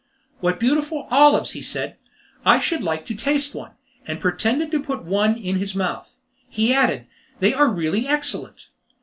"What beautiful olives!" he said, "I should like to taste one," and pretending to put one in his mouth, he added, "they are really excellent!